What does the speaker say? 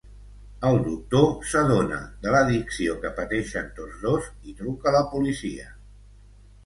El doctor s'adona de l'addicció que pateixen tots dos i truca la policia.